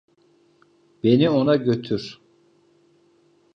Beni ona götür.